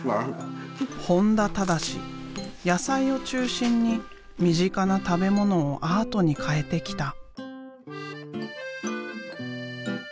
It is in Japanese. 野菜を中心に身近な食べ物をアートに変えてきた。